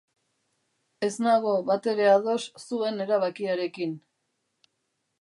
Ez nago batere ados zuen erabakiarekin.